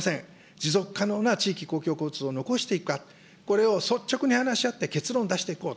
持続可能な地域公共交通を残していくか、これを率直に話し合って結論出していこう。